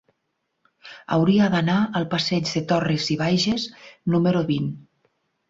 Hauria d'anar al passeig de Torras i Bages número vint.